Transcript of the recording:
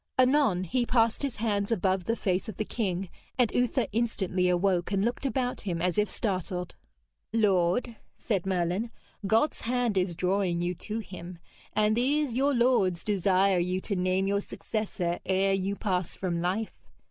Anon he passed his hands above the face of the king, and Uther instantly awoke, and looked about him as if startled. 'Lord,' said Merlin, 'God's hand is drawing you to Him, and these your lords desire you to name your successor ere you pass from life.